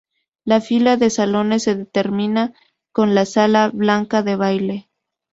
La fila de salones se termina con la sala Blanca de baile.